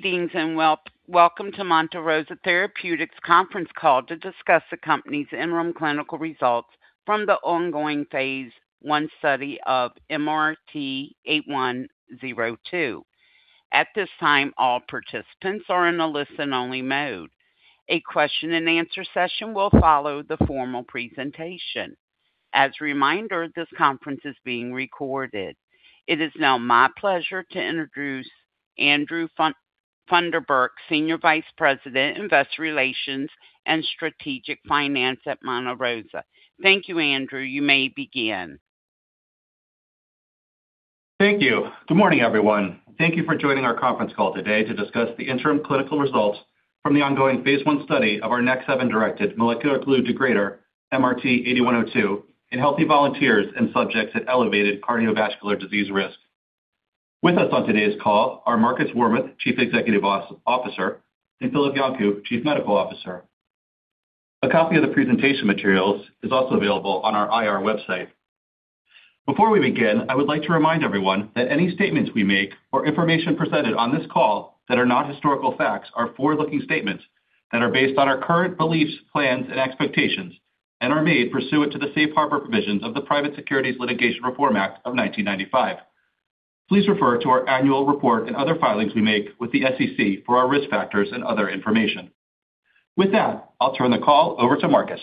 Greetings and welcome to Monte Rosa Therapeutics' Conference Call to discuss the company's Interim Clinical Results from the ongoing phase I study of MRT-8102. At this time, all participants are in a listen-only mode. A question-and-answer session will follow the formal presentation. As a reminder, this conference is being recorded. It is now my pleasure to introduce Andrew Funderburk, Senior Vice President, Investor Relations and Strategic Finance at Monte Rosa. Thank you, Andrew. You may begin. Thank you. Good morning, everyone. Thank you for joining our conference call today to discuss the interim clinical results from the ongoing phase I study of our NEK7-directed molecular glue degrader, MRT-8102, in healthy volunteers and subjects at elevated cardiovascular disease risk. With us on today's call are Markus Warmuth, Chief Executive Officer, and Filip Janku, Chief Medical Officer. A copy of the presentation materials is also available on our IR website. Before we begin, I would like to remind everyone that any statements we make or information presented on this call that are not historical facts are forward-looking statements that are based on our current beliefs, plans, and expectations, and are made pursuant to the safe harbor provisions of the Private Securities Litigation Reform Act of 1995. Please refer to our annual report and other filings we make with the SEC for our risk factors and other information. With that, I'll turn the call over to Markus.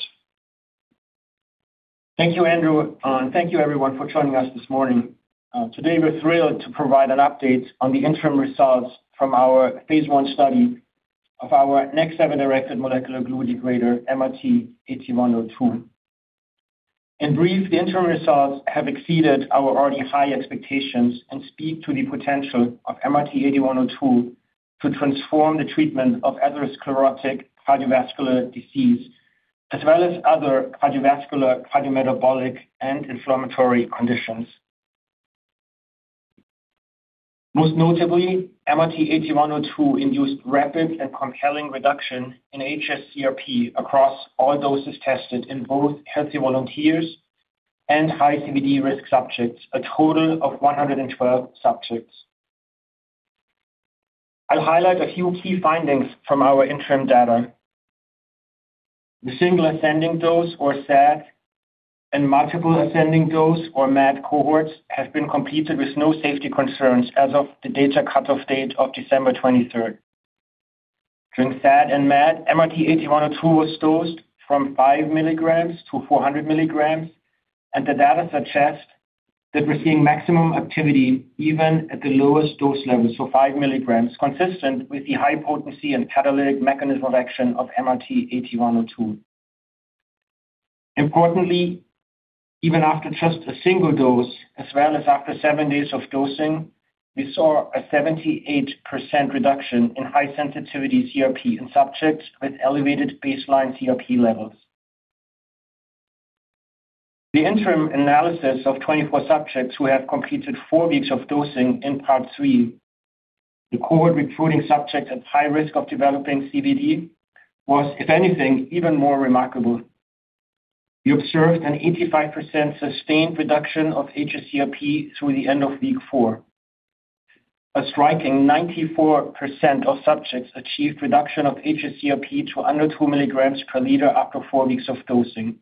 Thank you, Andrew, and thank you, everyone, for joining us this morning. Today, we're thrilled to provide an update on the interim results from our phase I study of our NEK7-directed molecular glue degrader, MRT-8102. In brief, the interim results have exceeded our already high expectations and speak to the potential of MRT-8102 to transform the treatment of atherosclerotic cardiovascular disease, as well as other cardiovascular, cardiometabolic, and inflammatory conditions. Most notably, MRT-8102 induced rapid and compelling reduction in hsCRP across all doses tested in both healthy volunteers and high CVD risk subjects, a total of 112 subjects. I'll highlight a few key findings from our interim data. The single ascending dose, or SAD, and multiple ascending dose, or MAD, cohorts have been completed with no safety concerns as of the data cut-off date of December 23rd. During SAD and MAD, MRT-8102 was dosed from 5 milligrams to 400 milligrams, and the data suggest that we're seeing maximum activity even at the lowest dose level, so 5 milligrams, consistent with the high potency and catalytic mechanism of action of MRT-8102. Importantly, even after just a single dose, as well as after seven days of dosing, we saw a 78% reduction in high sensitivity CRP in subjects with elevated baseline CRP levels. The interim analysis of 24 subjects who have completed four weeks of dosing in part 3, the cohort recruiting subjects at high risk of developing CVD, was, if anything, even more remarkable. We observed an 85% sustained reduction of hsCRP through the end of week four. A striking 94% of subjects achieved reduction of hsCRP to under 2 milligrams per liter after four weeks of dosing.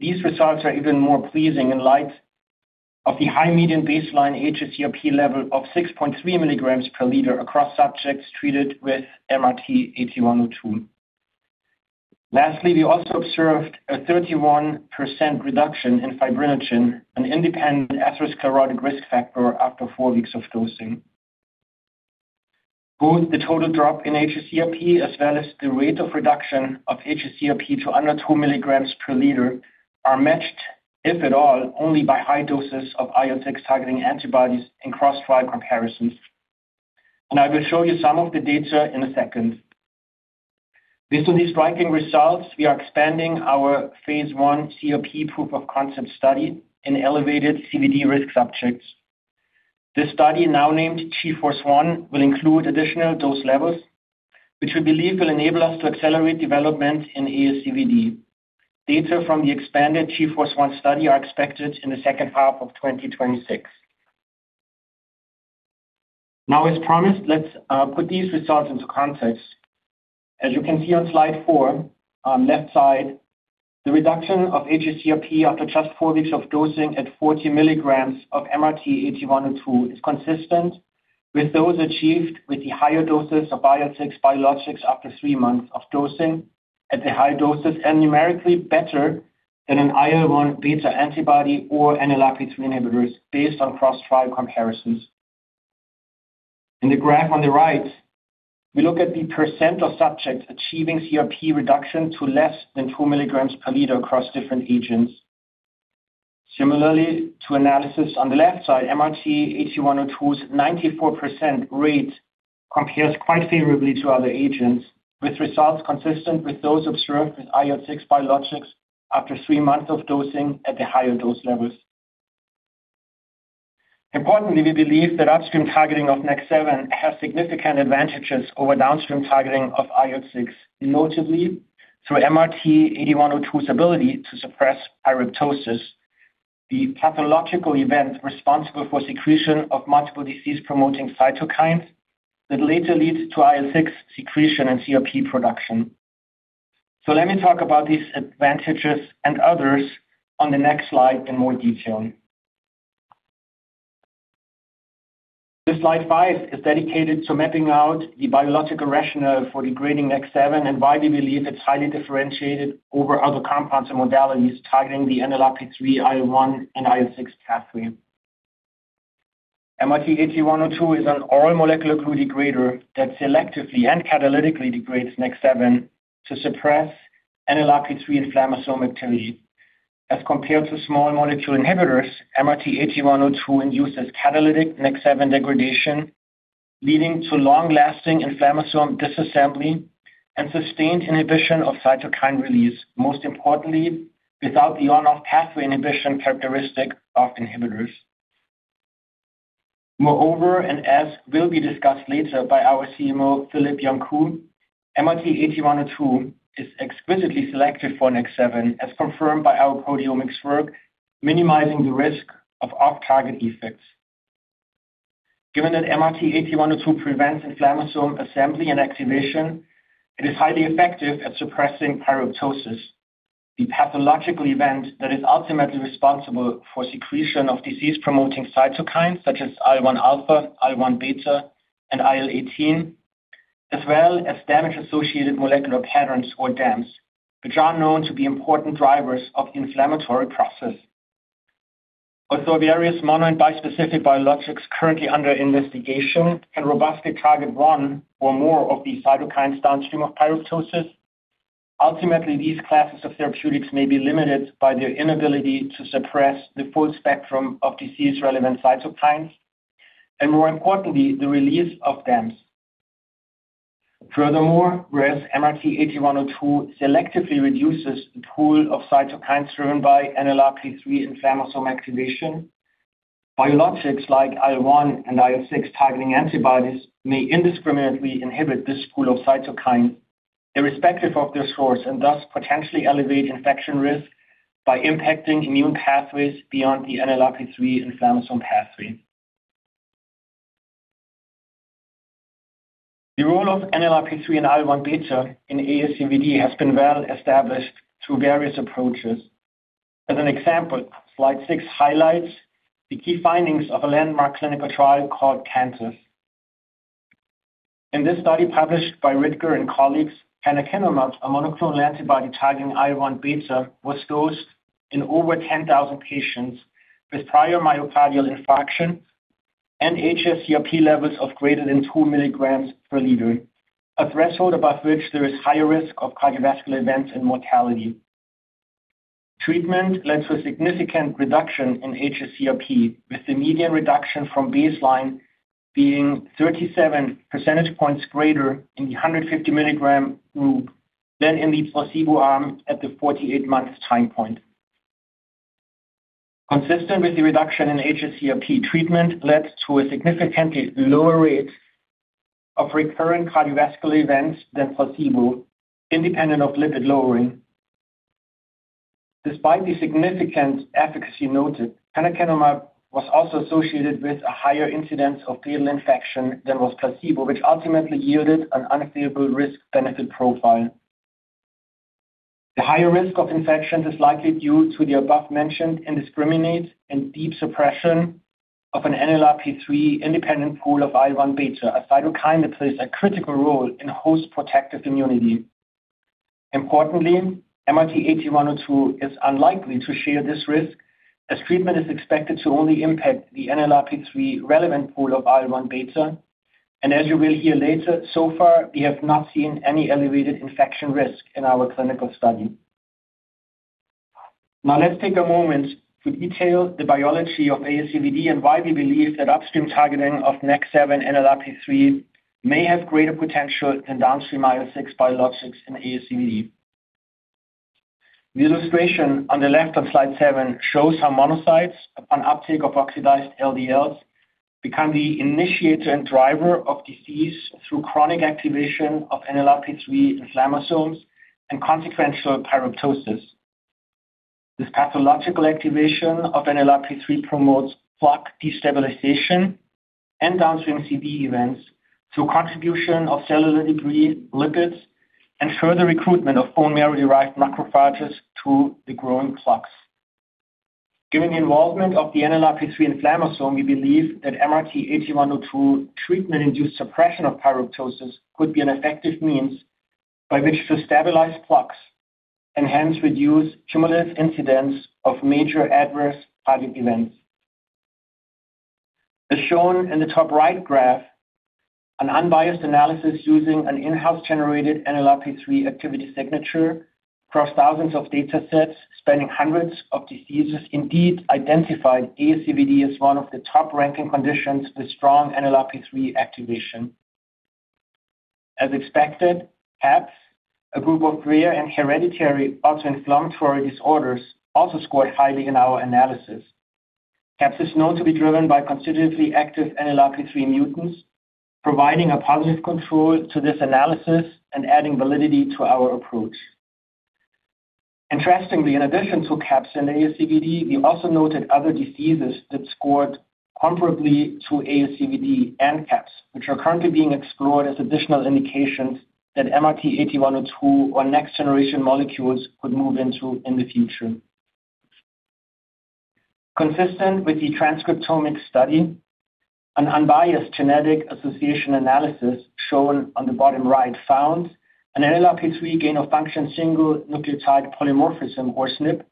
These results are even more pleasing in light of the high median baseline hsCRP level of 6.3 milligrams per liter across subjects treated with MRT-8102. Lastly, we also observed a 31% reduction in fibrinogen, an independent atherosclerotic risk factor, after four weeks of dosing. Both the total drop in hsCRP as well as the rate of reduction of hsCRP to under 2 milligrams per liter are matched, if at all, only by high doses of IL-6 targeting antibodies in cross-trial comparisons. And I will show you some of the data in a second. Based on these striking results, we are expanding our phase I CRP proof of concept study in elevated CVD risk subjects. This study, now named GFORCE-1, will include additional dose levels, which we believe will enable us to accelerate development in ASCVD. Data from the expanded GFORCE-1 study are expected in the second half of 2026. Now, as promised, let's put these results into context. As you can see on slide 4, on the left side, the reduction of hsCRP after just four weeks of dosing at 40 milligrams of MRT-8102 is consistent with those achieved with the higher doses of IL-6 biologics after three months of dosing at the high doses and numerically better than an IL-1 beta antibody or an IL-1 alpha inhibitors based on cross-trial comparisons. In the graph on the right, we look at the percent of subjects achieving CRP reduction to less than 2 milligrams per liter across different agents. Similar to the analysis on the left side, MRT-8102's 94% rate compares quite favorably to other agents, with results consistent with those observed with IL-6 biologics after three months of dosing at the higher dose levels. Importantly, we believe that upstream targeting of NEK7 has significant advantages over downstream targeting of IL-6, notably through MRT-8102's ability to suppress pyroptosis, the pathological event responsible for secretion of multiple disease-promoting cytokines that later leads to IL-6 secretion and CRP production. So let me talk about these advantages and others on the next slide in more detail. This slide five is dedicated to mapping out the biological rationale for degrading NEK7 and why we believe it's highly differentiated over other compounds and modalities targeting the NLRP3, IL-1, and IL-6 pathway. MRT-8102 is an oral molecular glue degrader that selectively and catalytically degrades NEK7 to suppress NLRP3 inflammasome activity. As compared to small molecule inhibitors, MRT-8102 induces catalytic NEK7 degradation, leading to long-lasting inflammasome disassembly and sustained inhibition of cytokine release, most importantly, without the on-off pathway inhibition characteristic of inhibitors. Moreover, and as will be discussed later by our CMO, Filip Janku, MRT-8102 is exquisitely selected for NEK7, as confirmed by our proteomics work, minimizing the risk of off-target effects. Given that MRT-8102 prevents inflammasome assembly and activation, it is highly effective at suppressing pyroptosis, the pathological event that is ultimately responsible for secretion of disease-promoting cytokines such as IL-1 alpha, IL-1 beta, and IL-18, as well as damage-associated molecular patterns or DAMPs, which are known to be important drivers of inflammatory processes. Although various mono and bispecific biologics currently under investigation can robustly target one or more of the cytokines downstream of pyroptosis, ultimately, these classes of therapeutics may be limited by their inability to suppress the full spectrum of disease-relevant cytokines and, more importantly, the release of DAMPs. Furthermore, whereas MRT-8102 selectively reduces the pool of cytokines driven by NLRP3 inflammasome activation, biologics like IL-1 and IL-6 targeting antibodies may indiscriminately inhibit this pool of cytokines irrespective of their source and thus potentially elevate infection risk by impacting immune pathways beyond the NLRP3 inflammasome pathway. The role of NLRP3 and IL-1 beta in ASCVD has been well established through various approaches. As an example, slide 6 highlights the key findings of a landmark clinical trial called CANTOS. In this study published by Ridker and colleagues, canakinumab, a monoclonal antibody targeting IL-1 beta, was dosed in over 10,000 patients with prior myocardial infarction and hsCRP levels of greater than 2 milligrams per liter, a threshold above which there is higher risk of cardiovascular events and mortality. Treatment led to a significant reduction in hsCRP, with the median reduction from baseline being 37 percentage points greater in the 150 milligram group than in the placebo arm at the 48-month time point. Consistent with the reduction in hsCRP, treatment led to a significantly lower rate of recurrent cardiovascular events than placebo, independent of lipid lowering. Despite the significant efficacy noted, Canakinumab was also associated with a higher incidence of fatal infection than was placebo, which ultimately yielded an unfavorable risk-benefit profile. The higher risk of infection is likely due to the above-mentioned indiscriminate and deep suppression of an NLRP3 independent pool of IL-1 beta, a cytokine that plays a critical role in host protective immunity. Importantly, MRT-8102 is unlikely to share this risk, as treatment is expected to only impact the NLRP3 relevant pool of IL-1 beta, and as you will hear later, so far, we have not seen any elevated infection risk in our clinical study. Now, let's take a moment to detail the biology of ASCVD and why we believe that upstream targeting of NEK7 and NLRP3 may have greater potential than downstream IL-6 biologics in ASCVD. The illustration on the left on slide seven shows how monocytes, upon uptake of oxidized LDLs, become the initiator and driver of disease through chronic activation of NLRP3 inflammasomes and consequential pyroptosis. This pathological activation of NLRP3 promotes plaque destabilization and downstream CVD events through contribution of cellular debris, lipids, and further recruitment of bone marrow-derived macrophages to the growing plaques. Given the involvement of the NLRP3 inflammasome, we believe that MRT-8102 treatment-induced suppression of pyroptosis could be an effective means by which to stabilize plaques and hence reduce cumulative incidence of major adverse cardiac events. As shown in the top right graph, an unbiased analysis using an in-house generated NLRP3 activity signature across thousands of data sets, spanning hundreds of diseases, indeed identified ASCVD as one of the top-ranking conditions with strong NLRP3 activation. As expected, CAPS, a group of rare and hereditary autoinflammatory disorders, also scored highly in our analysis. CAPS is known to be driven by constitutively active NLRP3 mutants, providing a positive control to this analysis and adding validity to our approach. Interestingly, in addition to CAPS and ASCVD, we also noted other diseases that scored comparably to ASCVD and CAPS, which are currently being explored as additional indications that MRT-8102 or next-generation molecules could move into in the future. Consistent with the transcriptomic study, an unbiased genetic association analysis shown on the bottom right found an NLRP3 gain-of-function single nucleotide polymorphism, or SNP,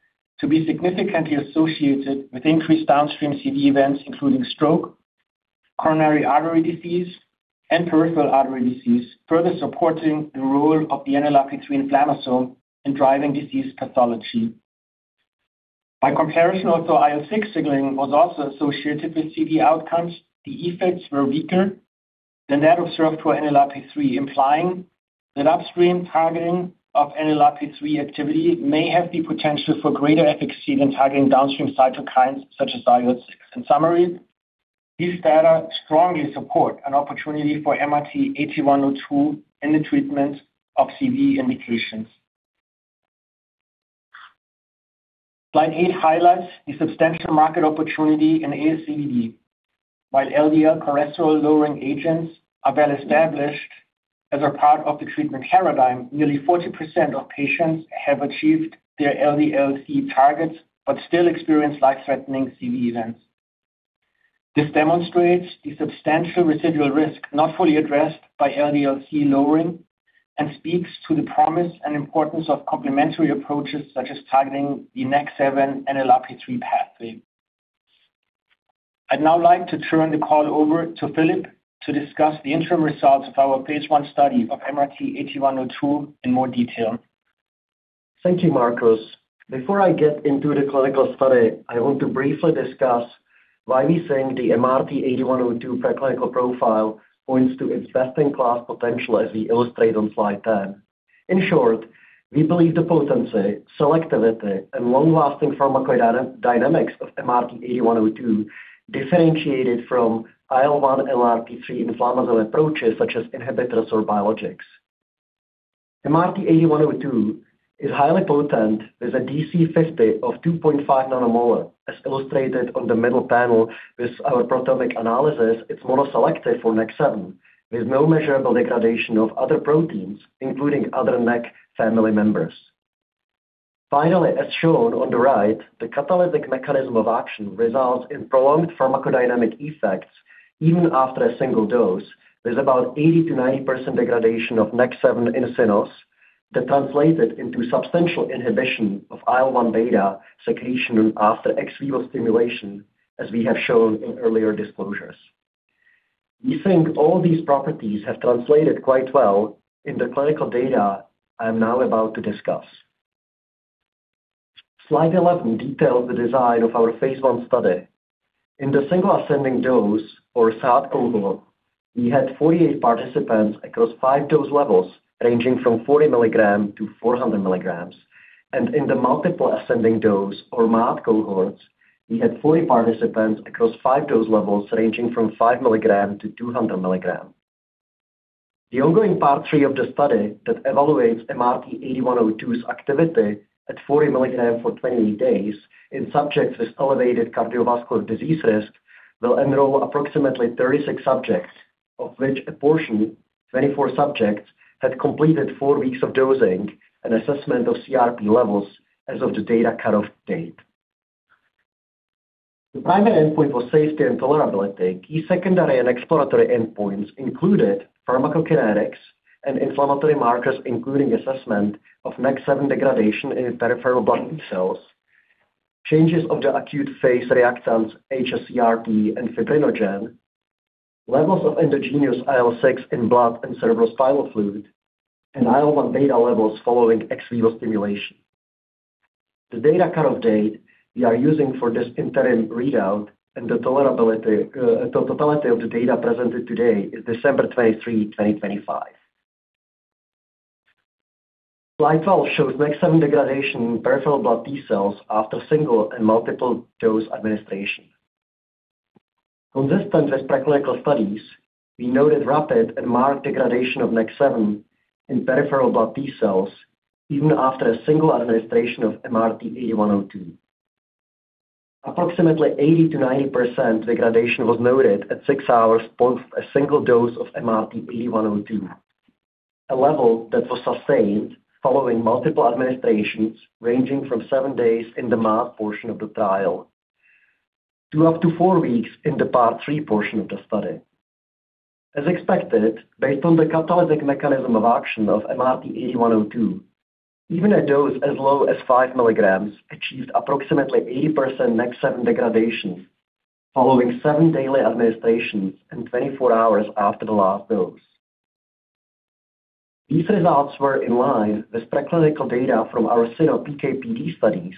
to be significantly associated with increased downstream CVD events, including stroke, coronary artery disease, and peripheral artery disease, further supporting the role of the NLRP3 inflammasome in driving disease pathology. By comparison, although IL-6 signaling was also associated with CVD outcomes, the effects were weaker than that observed for NLRP3, implying that upstream targeting of NLRP3 activity may have the potential for greater efficacy than targeting downstream cytokines such as IL-6. In summary, these data strongly support an opportunity for MRT-8102 in the treatment of CVD indications. Slide 8 highlights the substantial market opportunity in ASCVD. While LDL cholesterol-lowering agents are well established as a part of the treatment paradigm, nearly 40% of patients have achieved their LDL-C targets but still experience life-threatening CVD events. This demonstrates the substantial residual risk not fully addressed by LDL-C lowering and speaks to the promise and importance of complementary approaches such as targeting the NEK7 NLRP3 pathway. I'd now like to turn the call over to Filip to discuss the interim results of our phase I study of MRT-8102 in more detail. Thank you, Markus. Before I get into the clinical study, I want to briefly discuss why we think the MRT-8102 preclinical profile points to its best-in-class potential, as we illustrate on slide 10. In short, we believe the potency, selectivity, and long-lasting pharmacodynamics of MRT-8102 differentiated from IL-1 and NLRP3 inflammasome approaches such as inhibitors or biologics. MRT-8102 is highly potent with a DC50 of 2.5 nanomolar, as illustrated on the middle panel with our proteomic analysis. It's monoselective for NEK7, with no measurable degradation of other proteins, including other NEK family members. Finally, as shown on the right, the catalytic mechanism of action results in prolonged pharmacodynamic effects even after a single dose, with about 80%-90% degradation of NEK7 in situ that translates into substantial inhibition of IL-1 beta secretion after ex vivo stimulation, as we have shown in earlier disclosures. We think all these properties have translated quite well in the clinical data I'm now about to discuss. Slide 11 details the design of our phase I study. In the single ascending dose, or SAD cohort, we had 48 participants across five dose levels ranging from 40 milligrams to 400 milligrams. In the multiple ascending dose, or MAD cohorts, we had 40 participants across five dose levels ranging from 5 milligrams to 200 milligrams. The ongoing part 3 of the study that evaluates MRT-8102's activity at 40 milligrams for 28 days in subjects with elevated cardiovascular disease risk will enroll approximately 36 subjects, of which a portion, 24 subjects, had completed four weeks of dosing and assessment of CRP levels as of the data cut-off date. The primary endpoint was safety and tolerability. Key secondary and exploratory endpoints included pharmacokinetics and inflammatory markers, including assessment of NEK7 degradation in peripheral blood cells, changes of the acute phase reactants, hsCRP and fibrinogen, levels of endogenous IL-6 in blood and cerebrospinal fluid, and IL-1 beta levels following ex vivo stimulation. The data cut-off date we are using for this interim readout and the totality of the data presented today is December 23, 2025. Slide 12 shows NEK7 degradation in peripheral blood T cells after single and multiple dose administration. Consistent with preclinical studies, we noted rapid and marked degradation of NEK7 in peripheral blood T cells even after a single administration of MRT-8102. Approximately 80% to 90% degradation was noted at six hours post a single dose of MRT-8102, a level that was sustained following multiple administrations ranging from seven days in the MAD portion of the trial to up to four weeks in the part 3 portion of the study. As expected, based on the catalytic mechanism of action of MRT-8102, even a dose as low as 5 milligrams achieved approximately 80% NEK7 degradation following seven daily administrations and 24 hours after the last dose. These results were in line with preclinical data from our cyno PK/PD studies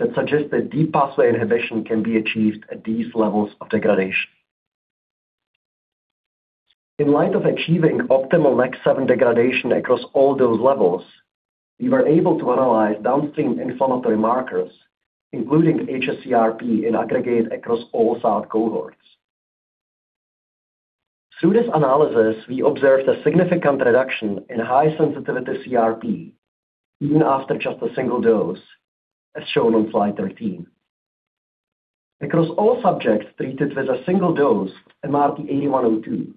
that suggest that the pathway inhibition can be achieved at these levels of degradation. In light of achieving optimal NEK7 degradation across all those levels, we were able to analyze downstream inflammatory markers, including hsCRP in aggregate across all SAD cohorts. Through this analysis, we observed a significant reduction in high-sensitivity CRP even after just a single dose, as shown on slide 13. Across all subjects treated with a single dose of MRT-8102,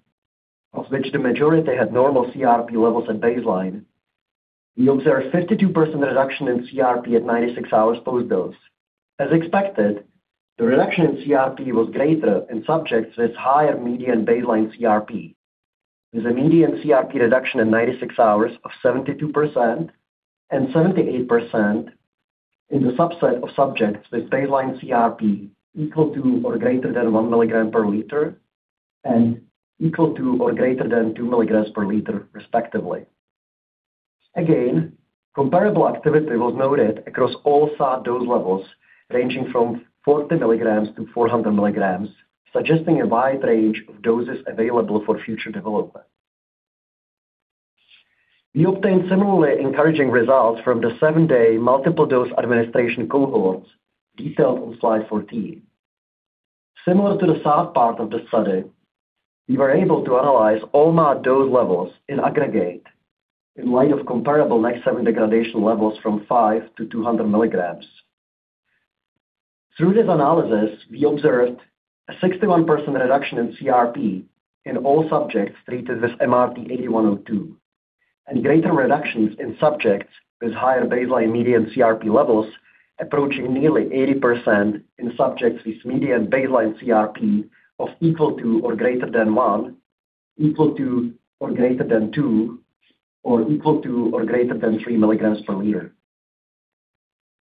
of which the majority had normal CRP levels at baseline, we observed 52% reduction in CRP at 96 hours post-dose. As expected, the reduction in CRP was greater in subjects with higher median baseline CRP, with a median CRP reduction at 96 hours of 72% and 78% in the subset of subjects with baseline CRP equal to or greater than 1 milligram per liter and equal to or greater than 2 milligrams per liter, respectively. Again, comparable activity was noted across all SAD dose levels ranging from 40 milligrams to 400 milligrams, suggesting a wide range of doses available for future development. We obtained similarly encouraging results from the seven-day multiple dose administration cohorts detailed on slide 14. Similar to the SAD part of the study, we were able to analyze all MAD dose levels in aggregate in light of comparable NEK7 degradation levels from 5 to 200 milligrams. Through this analysis, we observed a 61% reduction in CRP in all subjects treated with MRT-8102 and greater reductions in subjects with higher baseline median CRP levels, approaching nearly 80% in subjects with median baseline CRP of equal to or greater than one, equal to or greater than two, or equal to or greater than 3 milligrams per liter.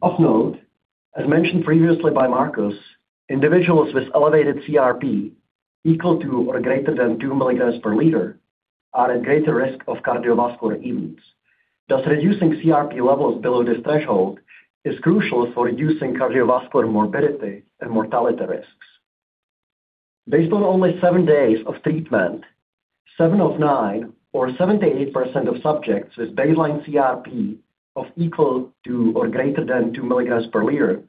Of note, as mentioned previously by Markus, individuals with elevated CRP equal to or greater than 2 milligrams per liter are at greater risk of cardiovascular events. Thus, reducing CRP levels below this threshold is crucial for reducing cardiovascular morbidity and mortality risks. Based on only seven days of treatment, seven of nine or 78% of subjects with baseline CRP of equal to or greater than 2 milligrams per liter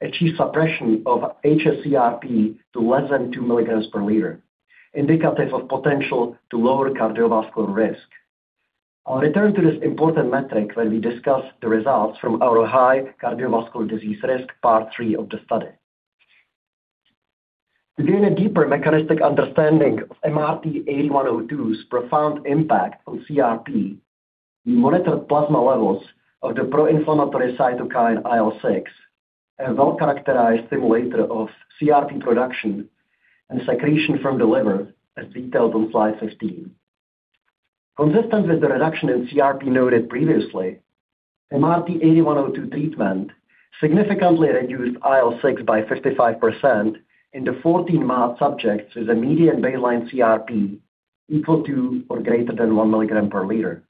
achieved suppression of hsCRP to less than 2 milligrams per liter, indicative of potential to lower cardiovascular risk. I'll return to this important metric when we discuss the results from our high cardiovascular disease risk part 3 of the study. To gain a deeper mechanistic understanding of MRT-8102's profound impact on CRP, we monitored plasma levels of the pro-inflammatory cytokine IL-6, a well-characterized stimulator of CRP production and secretion from the liver, as detailed on slide 15. Consistent with the reduction in CRP noted previously, MRT-8102 treatment significantly reduced IL-6 by 55% in the 14 MAD subjects with a median baseline CRP equal to or greater than 1 milligram per liter.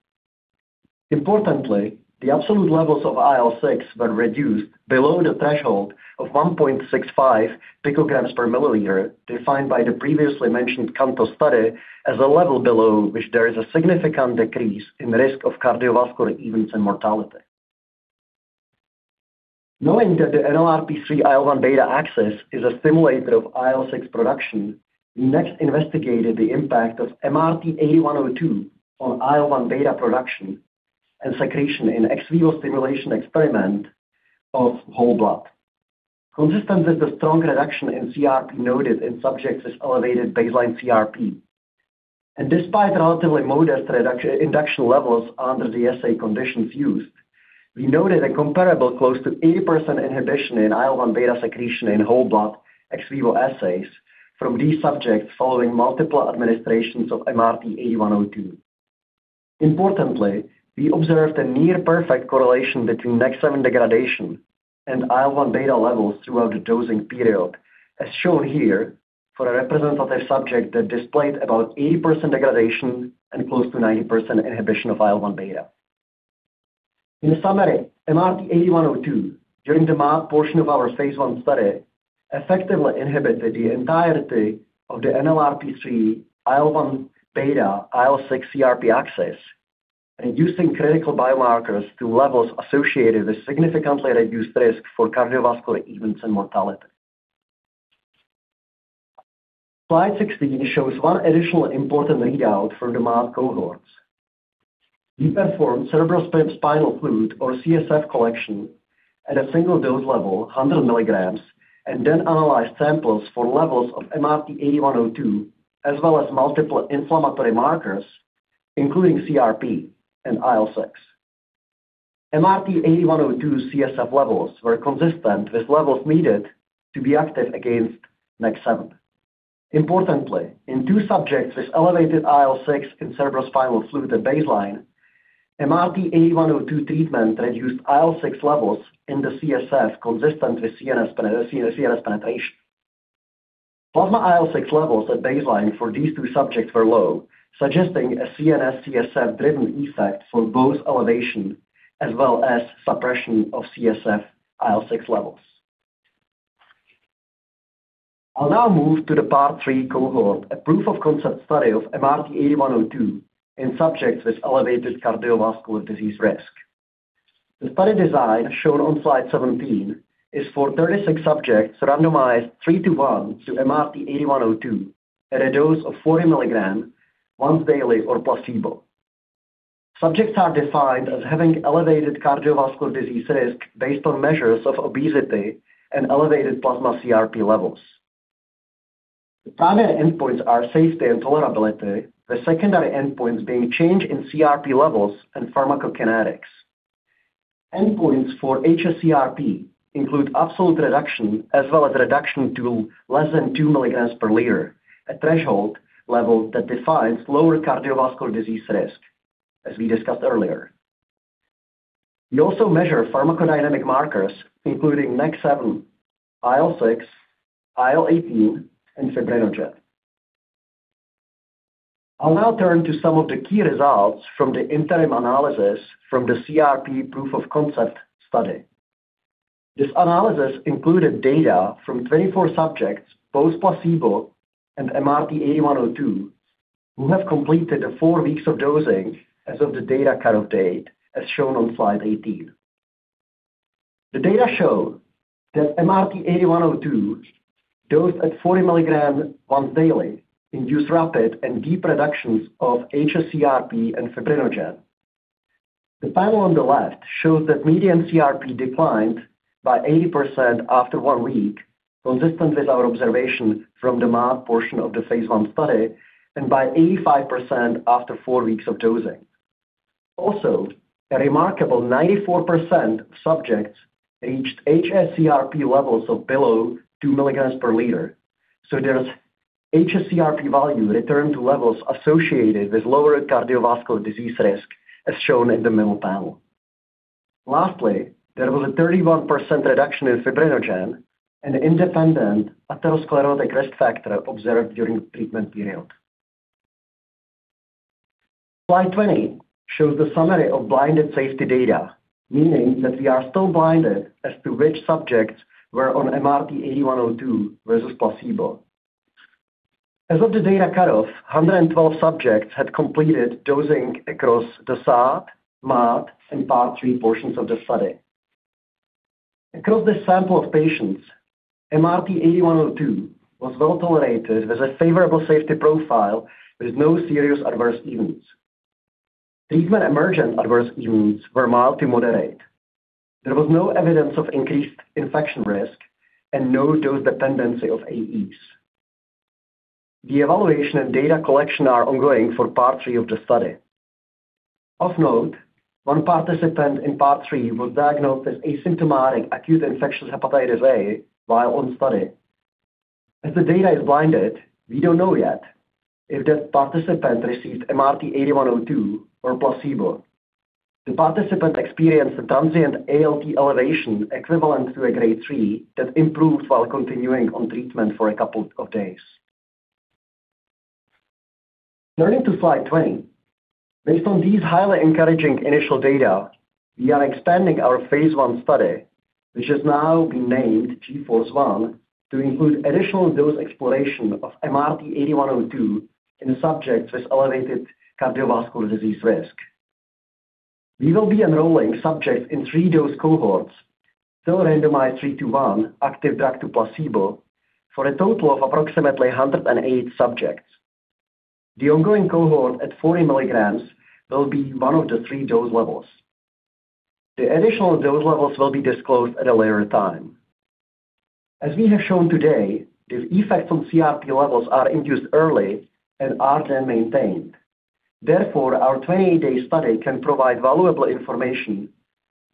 Importantly, the absolute levels of IL-6 were reduced below the threshold of 1.65 pg/mL, defined by the previously mentioned CANTOS study as a level below which there is a significant decrease in risk of cardiovascular events and mortality. Knowing that the NLRP3 IL-1 beta axis is a stimulator of IL-6 production, we next investigated the impact of MRT-8102 on IL-1 beta production and secretion in ex vivo stimulation experiment of whole blood. Consistent with the strong reduction in CRP noted in subjects with elevated baseline CRP, and despite relatively modest induction levels under the assay conditions used, we noted a comparable close to 80% inhibition in IL-1 beta secretion in whole blood ex vivo assays from these subjects following multiple administrations of MRT-8102. Importantly, we observed a near-perfect correlation between NEK7 degradation and IL-1 beta levels throughout the dosing period, as shown here for a representative subject that displayed about 80% degradation and close to 90% inhibition of IL-1 beta. In summary, MRT-8102 during the MAD portion of our phase I study effectively inhibited the entirety of the NLRP3 IL-1 beta IL-6 CRP axis, reducing critical biomarkers to levels associated with significantly reduced risk for cardiovascular events and mortality. Slide 16 shows one additional important readout from the MAD cohorts. We performed cerebrospinal fluid, or CSF, collection at a single dose level, 100 milligrams, and then analyzed samples for levels of MRT-8102 as well as multiple inflammatory markers, including CRP and IL-6. MRT-8102 CSF levels were consistent with levels needed to be active against NEK7. Importantly, in two subjects with elevated IL-6 in cerebrospinal fluid at baseline, MRT-8102 treatment reduced IL-6 levels in the CSF consistent with CNS penetration. Plasma IL-6 levels at baseline for these two subjects were low, suggesting a CNS-CSF-driven effect for both elevation as well as suppression of CSF IL-6 levels. I'll now move to the part 3 cohort, a proof-of-concept study of MRT-8102 in subjects with elevated cardiovascular disease risk. The study design shown on slide 17 is for 36 subjects randomized 3:1 to MRT-8102 at a dose of 40 milligrams once daily or placebo. Subjects are defined as having elevated cardiovascular disease risk based on measures of obesity and elevated plasma CRP levels. The primary endpoints are safety and tolerability, with secondary endpoints being change in CRP levels and pharmacokinetics. Endpoints for hsCRP include absolute reduction as well as reduction to less than 2 milligrams per liter, a threshold level that defines lower cardiovascular disease risk, as we discussed earlier. We also measure pharmacodynamic markers, including NEK7, IL-6, IL-18, and fibrinogen. I'll now turn to some of the key results from the interim analysis from the CRP proof-of-concept study. This analysis included data from 24 subjects, both placebo and MRT-8102, who have completed four weeks of dosing as of the data cut-off date, as shown on slide 18. The data show that MRT-8102 dosed at 40 milligrams once daily induced rapid and deep reductions of hsCRP and fibrinogen. The panel on the left shows that median CRP declined by 80% after one week, consistent with our observation from the MAD portion of the phase I study, and by 85% after four weeks of dosing. Also, a remarkable 94% of subjects reached hsCRP levels of below 2 milligrams per liter. So the hsCRP values returned to levels associated with lower cardiovascular disease risk, as shown in the middle panel. Lastly, there was a 31% reduction in fibrinogen, an independent atherosclerotic risk factor, observed during the treatment period. Slide 20 shows the summary of blinded safety data, meaning that we are still blinded as to which subjects were on MRT-8102 versus placebo. As of the data cut-off, 112 subjects had completed dosing across the SAD, MAD, and part 3 portions of the study. Across this sample of patients, MRT-8102 was well tolerated with a favorable safety profile with no serious adverse events. Treatment-emergent adverse events were mild to moderate. There was no evidence of increased infection risk and no dose dependency of AEs. The evaluation and data collection are ongoing for part 3 of the study. Of note, one participant in part 3 was diagnosed as asymptomatic acute infectious hepatitis A while on study. As the data is blinded, we don't know yet if that participant received MRT-8102 or placebo. The participant experienced a transient ALT elevation equivalent to a grade 3 that improved while continuing on treatment for a couple of days. Turning to slide 20, based on these highly encouraging initial data, we are expanding our phase I study, which has now been named GFORCE-1, to include additional dose exploration of MRT-8102 in subjects with elevated cardiovascular disease risk. We will be enrolling subjects in three-dose cohorts, still randomized 3:1 active drug to placebo, for a total of approximately 108 subjects. The ongoing cohort at 40 milligrams will be one of the three dose levels. The additional dose levels will be disclosed at a later time. As we have shown today, the effects on CRP levels are induced early and are then maintained. Therefore, our 28-day study can provide valuable information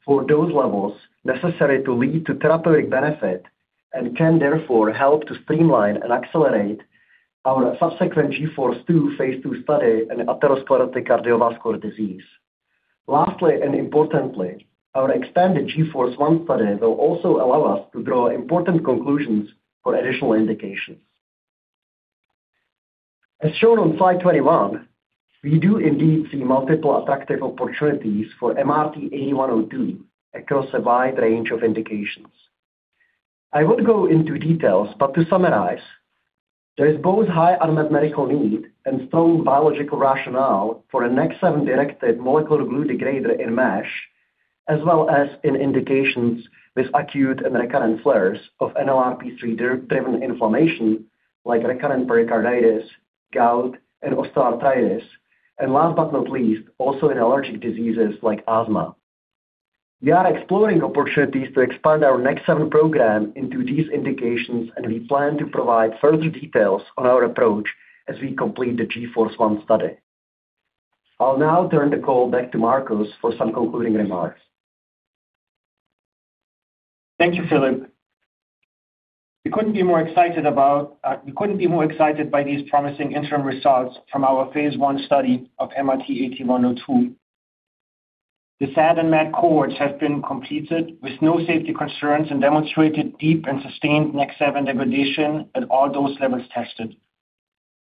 for dose levels necessary to lead to therapeutic benefit and can therefore help to streamline and accelerate our subsequent GFORCE-2 phase II study on atherosclerotic cardiovascular disease. Lastly, and importantly, our expanded GFORCE-1 study will also allow us to draw important conclusions for additional indications. As shown on slide 21, we do indeed see multiple attractive opportunities for MRT-8102 across a wide range of indications. I won't go into details, but to summarize, there is both high unmet medical need and strong biological rationale for a NEK7-directed molecular glue degrader in MASH, as well as in indications with acute and recurrent flares of NLRP3-driven inflammation like recurrent pericarditis, gout, and osteoarthritis, and last but not least, also in allergic diseases like asthma. We are exploring opportunities to expand our NEK7 program into these indications, and we plan to provide further details on our approach as we complete the GFORCE-1 study. I'll now turn the call back to Markus for some concluding remarks. Thank you, Filip. We couldn't be more excited by these promising interim results from our phase I study of MRT-8102. The SAD and MAD cohorts have been completed with no safety concerns and demonstrated deep and sustained NEK7 degradation at all dose levels tested,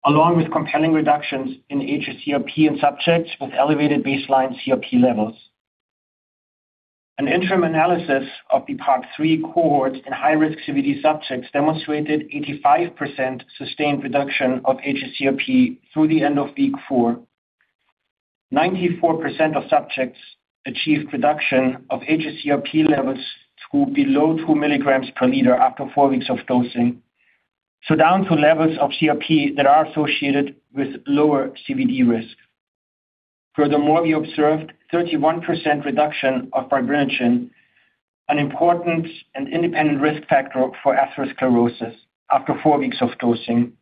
along with compelling reductions in hsCRP in subjects with elevated baseline CRP levels. An interim analysis of the part 3 cohorts in high-risk CVD subjects demonstrated 85% sustained reduction of hsCRP through the end of week four. 94% of subjects achieved reduction of hsCRP levels to below 2 milligrams per liter after four weeks of dosing, so down to levels of CRP that are associated with lower CVD risk. Furthermore, we observed 31% reduction of fibrinogen, an important and independent risk factor for atherosclerosis, after four weeks of dosing.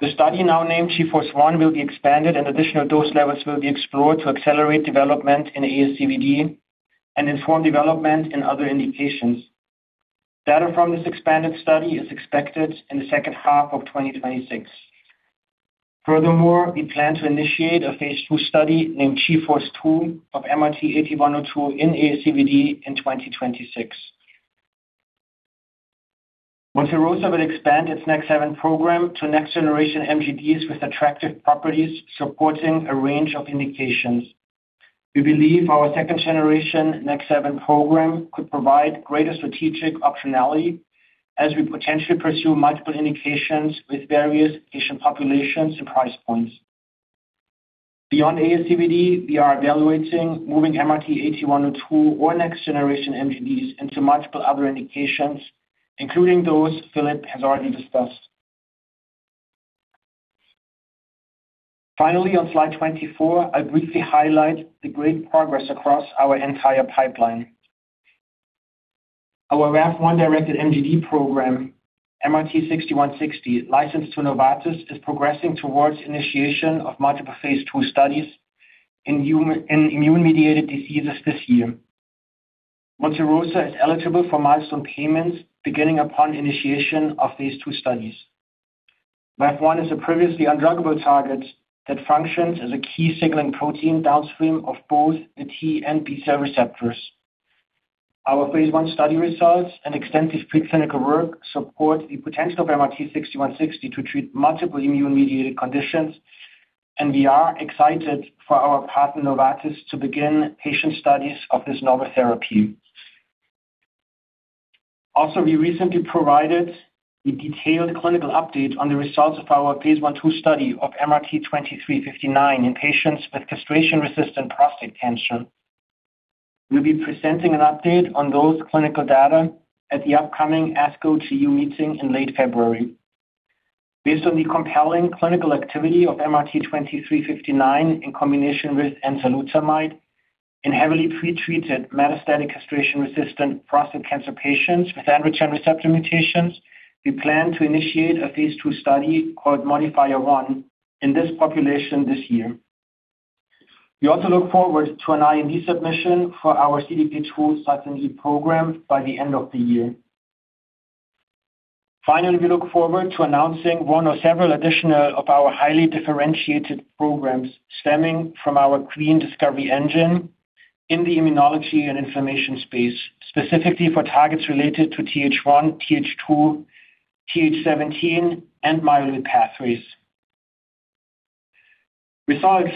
The study now named GFORCE-1 will be expanded, and additional dose levels will be explored to accelerate development in ASCVD and inform development in other indications. Data from this expanded study is expected in the second half of 2026. Furthermore, we plan to initiate a phase II study named GFORCE-2 of MRT-8102 in ASCVD in 2026. Monte Rosa will expand its NEK7 program to next-generation MGDs with attractive properties supporting a range of indications. We believe our second-generation NEK7 program could provide greater strategic optionality as we potentially pursue multiple indications with various patient populations and price points. Beyond ASCVD, we are evaluating moving MRT-8102 or next-generation MGDs into multiple other indications, including those Filip has already discussed. Finally, on slide 24, I briefly highlight the great progress across our entire pipeline. Our VAV1-directed MGD program, MRT-6160, licensed to Novartis, is progressing towards initiation of multiple phase II studies in immune-mediated diseases this year. Monte Rosa is eligible for milestone payments beginning upon initiation of phase II studies. VAV1 is a previously undruggable target that functions as a key signaling protein downstream of both the T and B cell receptors. Our phase I study results and extensive preclinical work support the potential of MRT-6160 to treat multiple immune-mediated conditions, and we are excited for our partner, Novartis, to begin patient studies of this novel therapy. Also, we recently provided a detailed clinical update on the results of our phase I study of MRT-2359 in patients with castration-resistant prostate cancer. We'll be presenting an update on those clinical data at the upcoming ASCO GU meeting in late February. Based on the compelling clinical activity of MRT-2359 in combination with Enzalutamide in heavily pretreated metastatic castration-resistant prostate cancer patients with androgen receptor mutations, we plan to initiate a phase II study called Modifier One in this population this year. We also look forward to an IND submission for our CDK2 program by the end of the year. Finally, we look forward to announcing one or several additional of our highly differentiated programs stemming from our QuEEN discovery engine in the immunology and inflammation space, specifically for targets related to Th1, Th2, Th17, and myeloid pathways. Results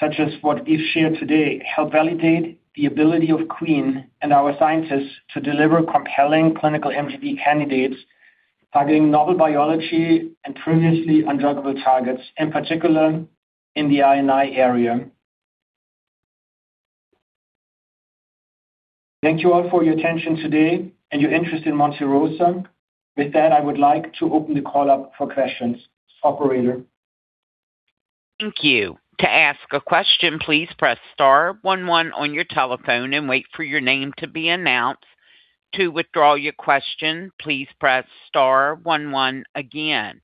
such as what we've shared today help validate the ability of QuEEN and our scientists to deliver compelling clinical MGD candidates targeting novel biology and previously undruggable targets, in particular in the inflammasome area. Thank you all for your attention today and your interest in Monte Rosa. With that, I would like to open the call up for questions. Operator. Thank you. To ask a question, please press star 11 on your telephone and wait for your name to be announced. To withdraw your question, please press star 11 again.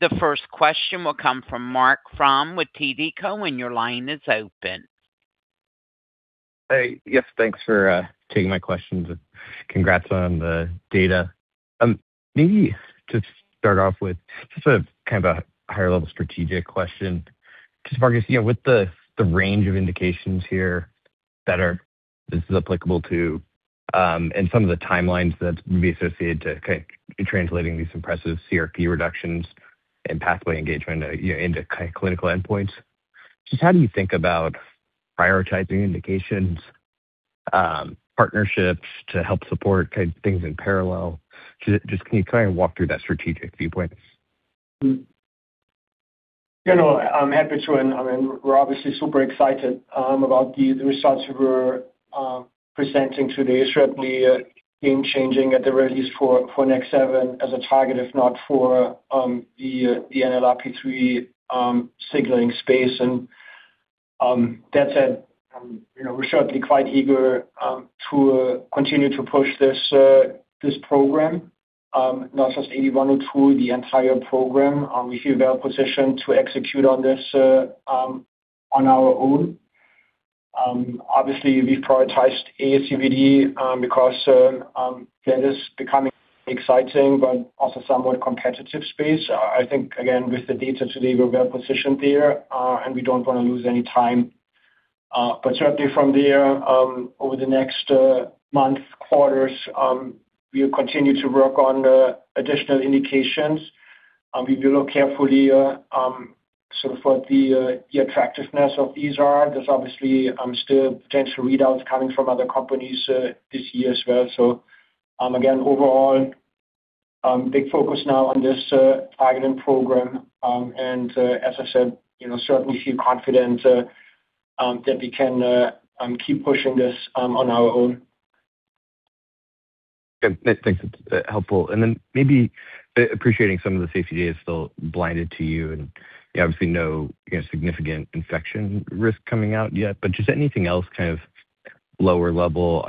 The first question will come from Marc Frahm with TD Cowen. Your line is open. Hey. Yes, thanks for taking my questions. Congrats on the data. Maybe to start off with just a kind of a higher-level strategic question, just Marcus, with the range of indications here that this is applicable to and some of the timelines that would be associated to kind of translating these impressive CRP reductions and pathway engagement into kind of clinical endpoints, just how do you think about prioritizing indications, partnerships to help support kind of things in parallel? Just can you kind of walk through that strategic viewpoint? I'm happy to. I mean, we're obviously super excited about the results we're presenting today. Certainly game-changing at the very least for NEK7 as a target, if not for the NLRP3 signaling space. And that said, we're certainly quite eager to continue to push this program, not just 8102, the entire program. We feel well-positioned to execute on this on our own. Obviously, we've prioritized ASCVD because that is becoming an exciting but also somewhat competitive space. I think, again, with the data today, we're well-positioned there, and we don't want to lose any time. But certainly from there, over the next months, quarters, we'll continue to work on additional indications. We will look carefully sort of what the attractiveness of these are. There's obviously still potential readouts coming from other companies this year as well. So again, overall, big focus now on this targeting program. And as I said, certainly feel confident that we can keep pushing this on our own. Thanks. That's helpful. And then maybe appreciating some of the safety data is still blinded to you, and you obviously know no significant infection risk coming out yet. But just anything else kind of lower level,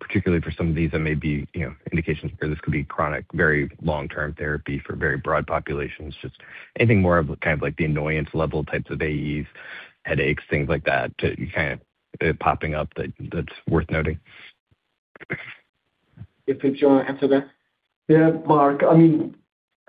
particularly for some of these that may be indications where this could be chronic, very long-term therapy for very broad populations, just anything more of kind of like the annoyance level types of AEs, headaches, things like that, kind of popping up that's worth noting. Filip, do you want to answer that? Yeah. Marc, I mean,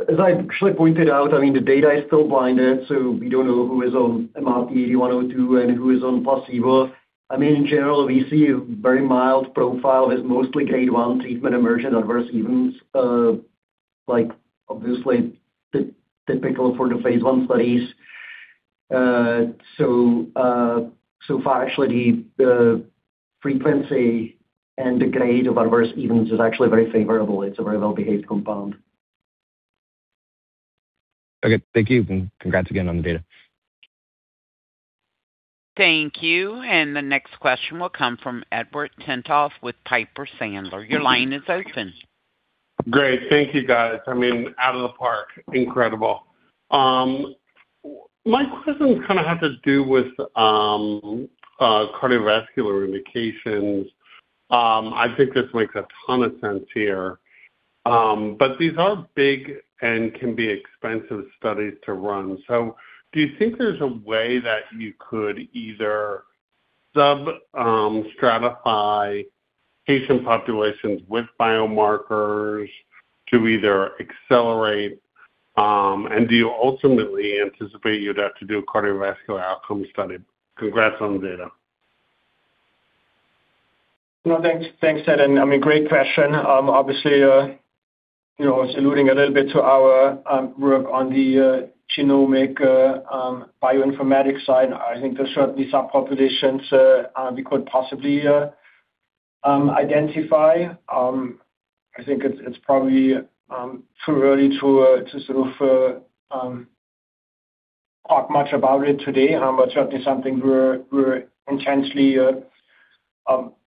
as I actually pointed out, I mean, the data is still blinded, so we don't know who is on MRT-8102 and who is on placebo. I mean, in general, we see a very mild profile with mostly grade one treatment-emergent adverse events, obviously typical for the phase I studies. So far, actually, the frequency and the grade of adverse events is actually very favorable. It's a very well-behaved compound. Okay. Thank you. Congrats again on the data. Thank you. The next question will come from Edward Tenthoff with Piper Sandler. Your line is open. Great. Thank you, guys. I mean, out of the park. Incredible. My question kind of has to do with cardiovascular indications. I think this makes a ton of sense here. But these are big and can be expensive studies to run. So do you think there's a way that you could either sub-stratify patient populations with biomarkers to either accelerate, and do you ultimately anticipate you'd have to do a cardiovascular outcome study? Congrats on the data. No, thanks. Thanks, Ed. I mean, great question. Obviously, it's alluding a little bit to our work on the genomic bioinformatics side. I think there's certainly subpopulations we could possibly identify. I think it's probably too early to sort of talk much about it today, but certainly something we're intensely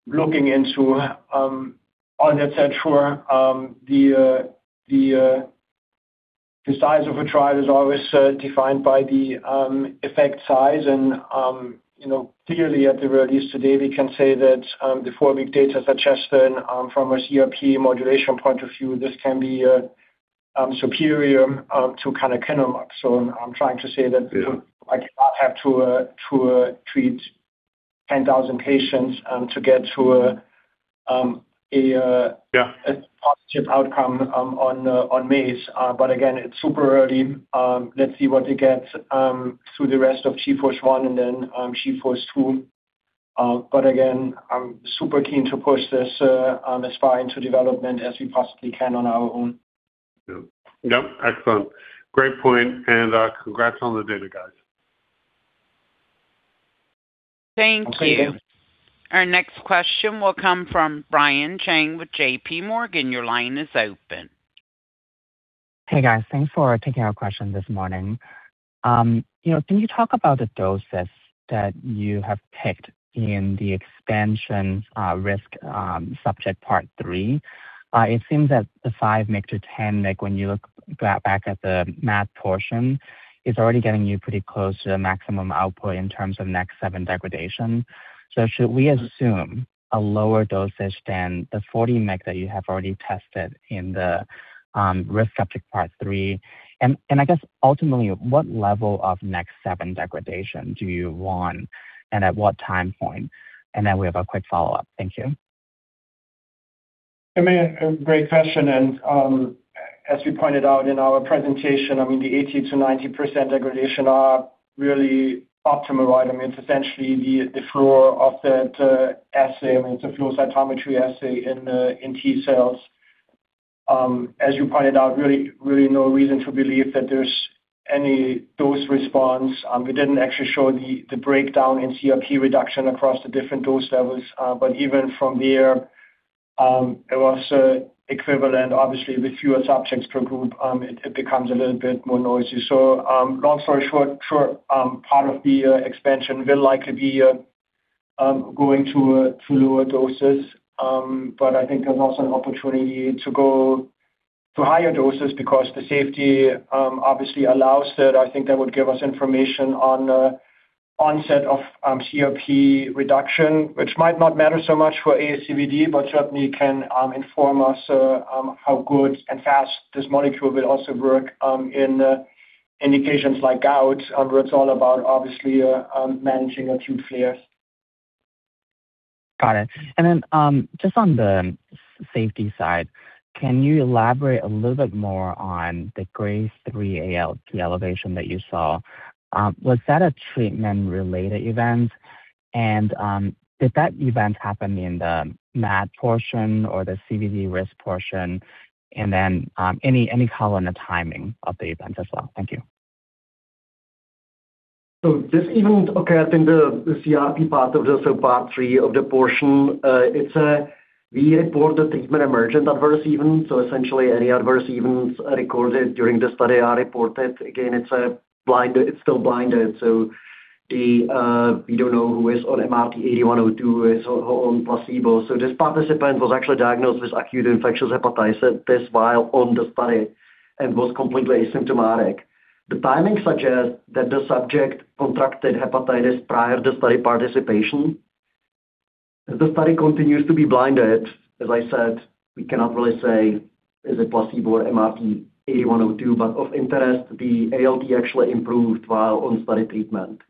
looking into. With that said, sure, the size of a trial is always defined by the effect size. And clearly, at the very least today, we can say that the four-week data suggesting from a CRP modulation point of view, this can be superior to kind of canakinumab. I'm trying to say that I do not have to treat 10,000 patients to get to a positive outcome on MACE. But again, it's super early. Let's see what we get through the rest of GFORCE-1 and then GFORCE-2. But again, I'm super keen to push this as far into development as we possibly can on our own. Yeah. Excellent. Great point. And congrats on the data, guys. Thank you. Our next question will come from Brian Cheng with JPMorgan. Your line is open. Hey, guys. Thanks for taking our question this morning. Can you talk about the doses that you have picked in the expansion risk subject part 3? It seems that the 5 mg-10 mg, when you look back at the MAD portion, is already getting you pretty close to the maximum output in terms of NEK7 degradation. So should we assume a lower dosage than the 40 mg that you have already tested in the risk subject part 3? And I guess, ultimately, what level of NEK7 degradation do you want, and at what time point? And then we have a quick follow-up. Thank you. I mean, great question. And as we pointed out in our presentation, I mean, the 80%-90% degradation are really optimal, right? I mean, it's essentially the floor of that assay, I mean, it's a flow cytometry assay in T cells. As you pointed out, really no reason to believe that there's any dose response. We didn't actually show the breakdown in CRP reduction across the different dose levels, but even from there, it was equivalent, obviously, with fewer subjects per group. It becomes a little bit more noisy, so long story short, part of the expansion will likely be going to lower doses, but I think there's also an opportunity to go to higher doses because the safety obviously allows that. I think that would give us information on the onset of CRP reduction, which might not matter so much for ASCVD, but certainly can inform us how good and fast this molecule will also work in indications like gout, where it's all about, obviously, managing acute flares. Got it. Then just on the safety side, can you elaborate a little bit more on the grade 3 ALT elevation that you saw? Was that a treatment-related event? And did that event happen in the MAD portion or the CVD risk portion? And then any color on the timing of the event as well? Thank you. Okay, I think the CRP part of the subpart 3 of the protocol, we report the treatment-emergent adverse events. So essentially, any adverse events recorded during the study are reported. Again, it is still blinded. So we do not know who is on MRT-8102, who is on placebo. So this participant was actually diagnosed with acute infectious hepatitis at this time while on the study and was completely asymptomatic. The timing suggests that the subject contracted hepatitis prior to study participation. If the study continues to be blinded, as I said, we cannot really say, is it placebo or MRT-8102? But of interest, the ALT actually improved while on study treatment.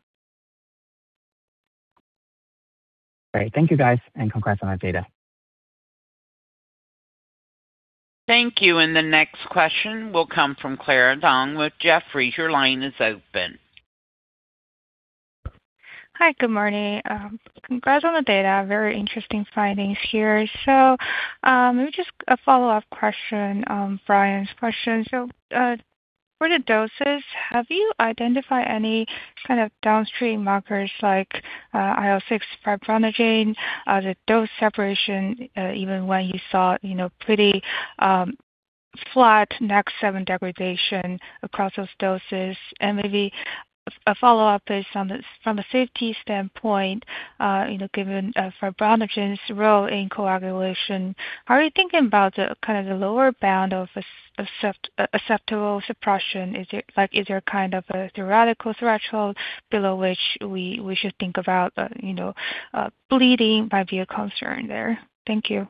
Great. Thank you, guys. And congrats on the data. Thank you. And the next question will come from Clara Dong with Jefferies. Your line is open. Hi. Good morning. Congrats on the data. Very interesting findings here. So maybe just a follow-up question, Brian's question. So for the doses, have you identified any kind of downstream markers like IL-6 fibrinogen? The dose separation, even when you saw pretty flat NEK7 degradation across those doses. And maybe a follow-up is from a safety standpoint, given fibrinogen's role in coagulation, how are you thinking about kind of the lower bound of acceptable suppression? Is there kind of a theoretical threshold below which we should think about bleeding might be a concern there? Thank you.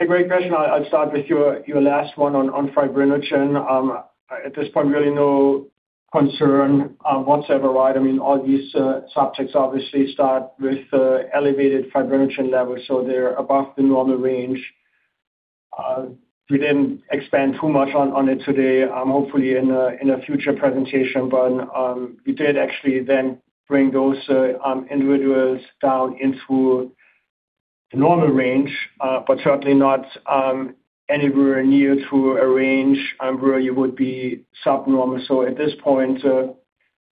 A great question. I'll start with your last one on fibrinogen. At this point, really no concern whatsoever, right? I mean, all these subjects obviously start with elevated fibrinogen levels, so they're above the normal range. We didn't expand too much on it today, hopefully in a future presentation. But we did actually then bring those individuals down into the normal range, but certainly not anywhere near to a range where you would be subnormal. So at this point,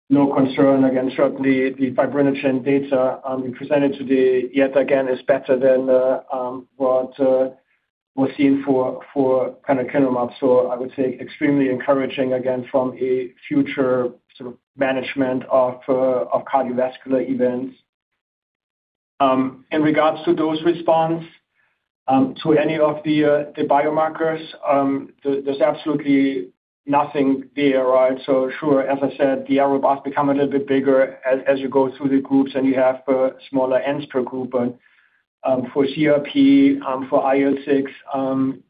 no concern. Again, certainly, the fibrinogen data we presented today, yet again, is better than what was seen for kind of Canakinumab. I would say extremely encouraging, again, from a future sort of management of cardiovascular events. In regards to dose response to any of the biomarkers, there's absolutely nothing there, right? Sure, as I said, the error bars become a little bit bigger as you go through the groups and you have smaller n's per group. But for CRP, for IL-6,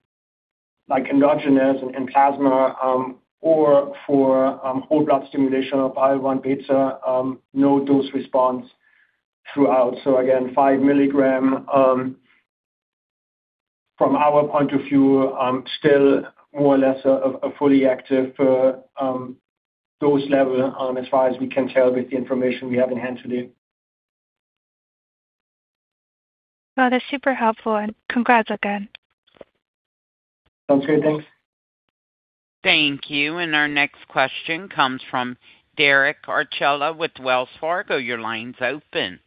like endogenous and plasma, or for whole blood stimulation of IL-1 beta, no dose response throughout. So again, 5 milligram, from our point of view, still more or less a fully active dose level as far as we can tell with the information we have in hand today. That is super helpful. And congrats again. Sounds good. Thanks. Thank you. Our next question comes from Derek Archila with Wells Fargo. Your line's open.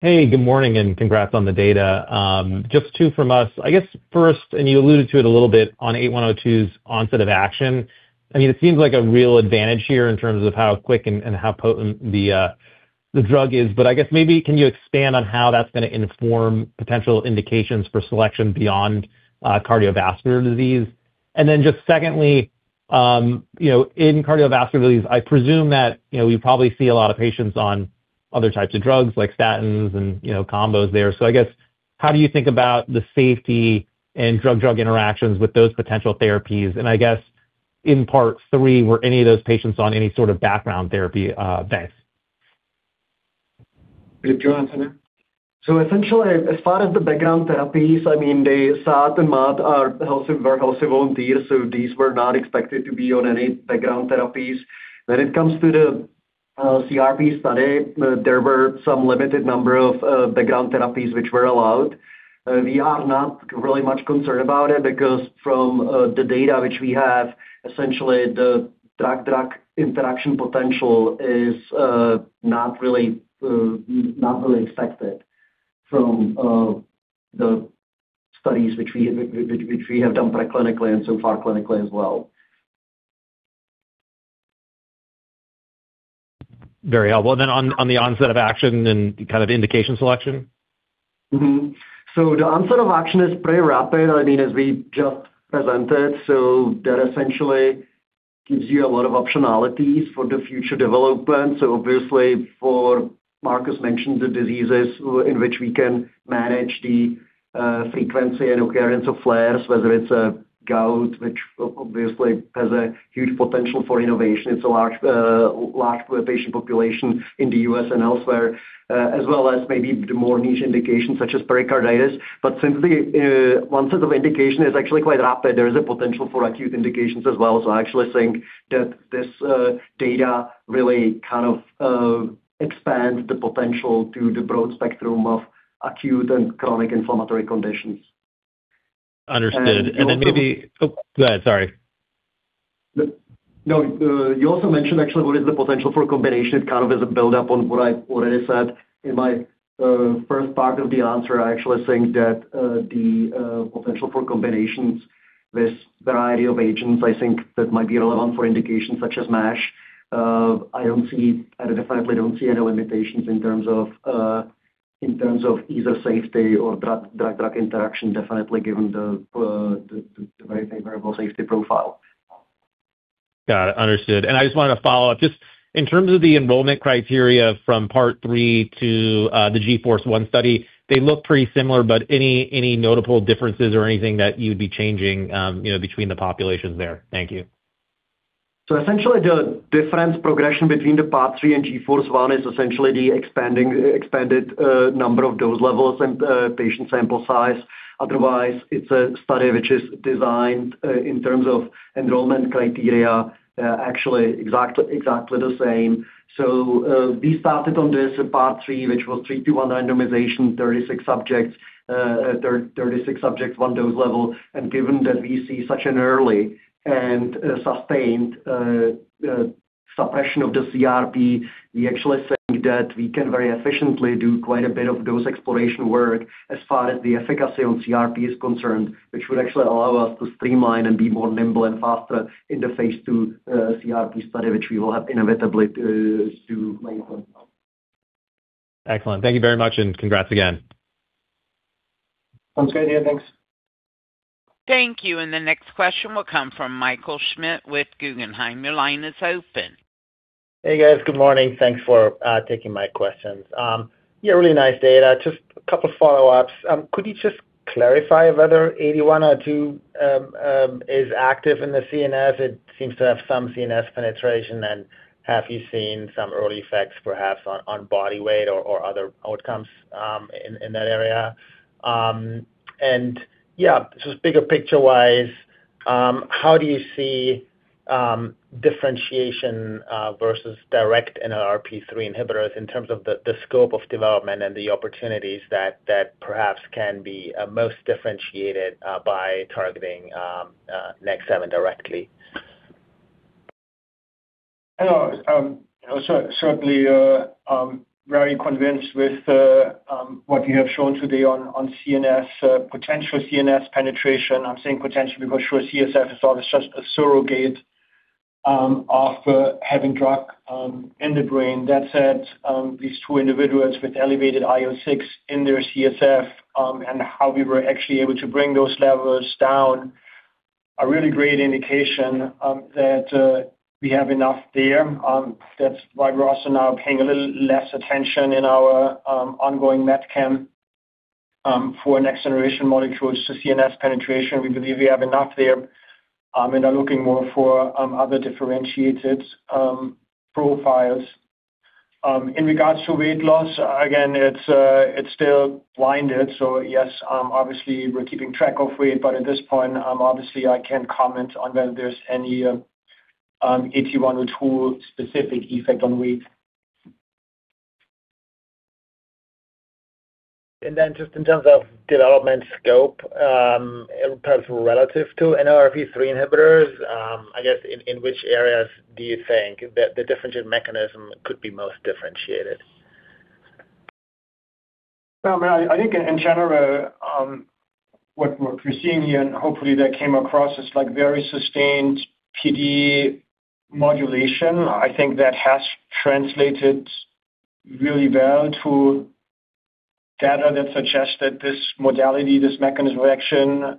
Hey, good morning, and congrats on the data. Just two from us. I guess first, and you alluded to it a little bit on 8102's onset of action. I mean, it seems like a real advantage here in terms of how quick and how potent the drug is. But I guess maybe can you expand on how that's going to inform potential indications for selection beyond cardiovascular disease? And then just secondly, in cardiovascular disease, I presume that we probably see a lot of patients on other types of drugs like statins and combos there. So I guess, how do you think about the safety and drug-drug interactions with those potential therapies? And I guess in part 3, were any of those patients on any sort of background therapy? Thanks. Good, Jonathan. So essentially, as far as the background therapies, I mean, they were healthy volunteers. So these were not expected to be on any background therapies. When it comes to the CRP study, there were some limited number of background therapies which were allowed. We are not really much concerned about it because from the data which we have, essentially, the drug-drug interaction potential is not really affected from the studies which we have done preclinically and so far clinically as well. Very helpful. And then on the onset of action and kind of indication selection? So the onset of action is pretty rapid. I mean, as we just presented. So that essentially gives you a lot of optionalities for the future development. So obviously, as Markus mentioned the diseases in which we can manage the frequency and occurrence of flares, whether it's gout, which obviously has a huge potential for innovation. It's a large patient population in the U.S. and elsewhere, as well as maybe the more niche indications such as pericarditis. But simply, once it's in indication, it's actually quite rapid. There is a potential for acute indications as well. I actually think that this data really kind of expands the potential to the broad spectrum of acute and chronic inflammatory conditions. Understood. And then maybe oh, go ahead. Sorry. No, you also mentioned actually what is the potential for combination. It kind of is a build-up on what I already said in my first part of the answer. I actually think that the potential for combinations with a variety of agents, I think that might be relevant for indications such as MASH. I definitely don't see any limitations in terms of ease of safety or drug-drug interaction, definitely given the very favorable safety profile. Got it. Understood. And I just wanted to follow up. Just in terms of the enrollment criteria from part 3 to the GFORCE-1 study, they look pretty similar, but any notable differences or anything that you'd be changing between the populations there? Thank you. So essentially, the difference progression between the part 3 and GFORCE-1 is essentially the expanded number of dose levels and patient sample size. Otherwise, it's a study which is designed in terms of enrollment criteria, actually exactly the same. So we started on this part 3, which was three-to-one randomization, 36 subjects, 36 subjects, one dose level. And given that we see such an early and sustained suppression of the CRP, we actually think that we can very efficiently do quite a bit of dose exploration work as far as the efficacy on CRP is concerned, which would actually allow us to streamline and be more nimble and faster in the phase two CRP study, which we will have inevitably to make. Excellent. Thank you very much. And congrats again. Sounds good. Yeah. Thanks. Thank you. And the next question will come from Michael Schmidt with Guggenheim. Your line is open. Hey, guys. Good morning. Thanks for taking my questions. Yeah, really nice data. Just a couple of follow-ups. Could you just clarify whether 8102 is active in the CNS? It seems to have some CNS penetration. And have you seen some early effects, perhaps, on body weight or other outcomes in that area? Yeah, just bigger picture-wise, how do you see differentiation versus direct NLRP3 inhibitors in terms of the scope of development and the opportunities that perhaps can be most differentiated by targeting NEK7 directly? Certainly, very convinced with what you have shown today on potential CNS penetration. I'm saying potential because, sure, CSF is always just a surrogate of having drug in the brain. That said, these two individuals with elevated IL-6 in their CSF and how we were actually able to bring those levels down are really great indication that we have enough there. That's why we're also now paying a little less attention in our ongoing MedChem for next-generation molecules to CNS penetration. We believe we have enough there and are looking more for other differentiated profiles. In regards to weight loss, again, it's still blinded. So yes, obviously, we're keeping track of weight. But at this point, obviously, I can't comment on whether there's any 8102-specific effect on weight. And then just in terms of development scope, perhaps relative to NLRP3 inhibitors, I guess, in which areas do you think the differentiated mechanism could be most differentiated? I mean, I think in general, what we're seeing here, and hopefully, that came across as very sustained PD modulation. I think that has translated really well to data that suggests that this modality, this mechanism of action,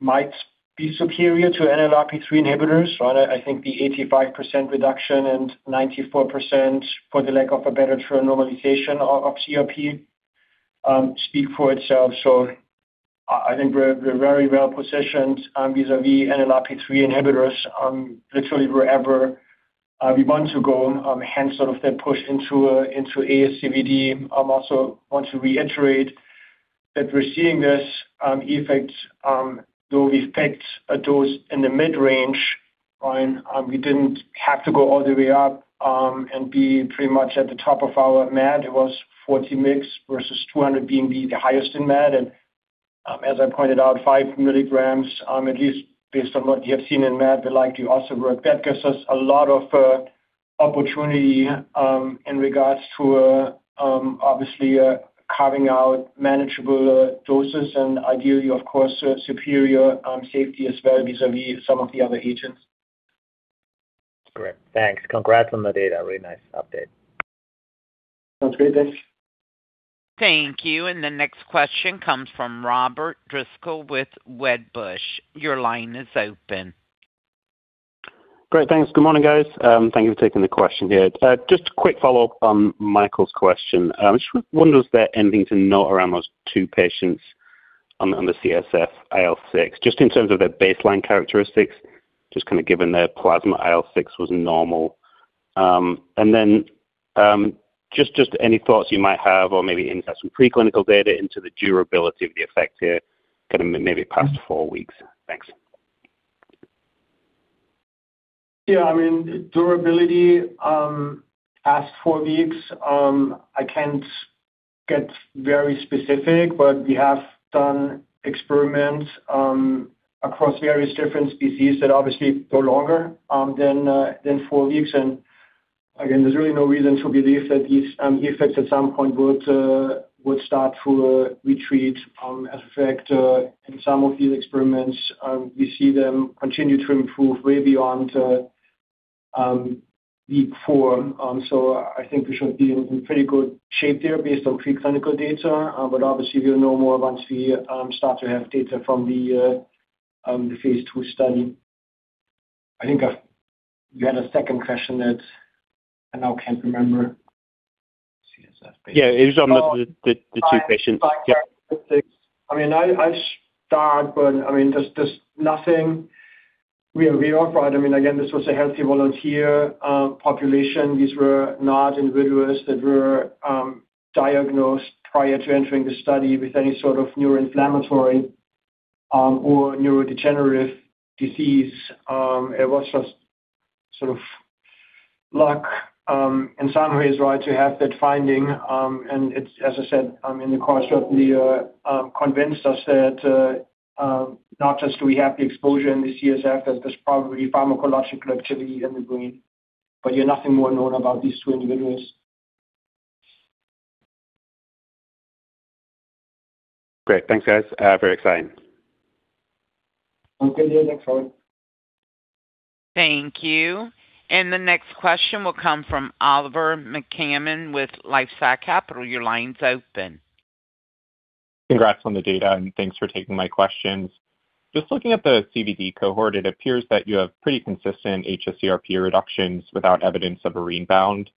might be superior to NLRP3 inhibitors. I think the 85% reduction and 94% for the lack of a better term normalization of CRP speak for itself. So I think we're very well positioned vis-à-vis NLRP3 inhibitors literally wherever we want to go, hence sort of the push into ASCVD. I also want to reiterate that we're seeing this effect. Though we picked a dose in the mid-range, we didn't have to go all the way up and be pretty much at the top of our MAD. It was 40 mg versus 200 being the highest in MAD. And as I pointed out, 5 milligrams, at least based on what you have seen in MAD, we like to also work. That gives us a lot of opportunity in regards to, obviously, carving out manageable doses and ideally, of course, superior safety as well vis-à-vis some of the other agents. Great. Thanks. Congrats on the data. Really nice update. Sounds great. Thanks. Thank you. And the next question comes from Robert Driscoll with Wedbush. Your line is open. Great. Thanks. Good morning, guys. Thank you for taking the question here. Just a quick follow-up on Michael's question. I just wonder if there's anything to note around those two patients on the CSF IL-6, just in terms of their baseline characteristics, just kind of given their plasma IL-6 was normal. And then just any thoughts you might have or maybe insights from preclinical data into the durability of the effect here, kind of maybe past four weeks. Thanks. Yeah. I mean, durability past four weeks, I can't get very specific, but we have done experiments across various different species that obviously go longer than four weeks. And again, there's really no reason to believe that these effects at some point would start to retreat. As a fact, in some of these experiments, we see them continue to improve way beyond week four. I think we should be in pretty good shape there based on preclinical data. But obviously, we'll know more once we start to have data from the phase two study. I think you had a second question that I now can't remember. Yeah. It was on the two patients. I mean, I start, but I mean, there's nothing we offered. I mean, again, this was a healthy volunteer population. These were not individuals that were diagnosed prior to entering the study with any sort of neuroinflammatory or neurodegenerative disease. It was just sort of luck in some ways, right, to have that finding. And as I said, convinced us that not just do we have the exposure in the CSF, there's probably pharmacological activity in the brain. But yeah, nothing more known about these two individuals. Great. Thanks, guys. Very exciting. Sounds good. Yeah. Thanks, Robert. Thank you. And the next question will come from Oliver McCammon with LifeSci Capital. Your line's open. Congrats on the data. And thanks for taking my questions. Just looking at the CVD cohort, it appears that you have pretty consistent hsCRP reductions without evidence of a rebound.